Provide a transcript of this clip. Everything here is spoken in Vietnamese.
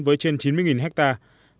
với trên chín mươi hectare